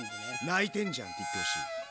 泣いてんじゃんって言ってほしい。